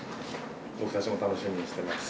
僕たちも楽しみにしてます。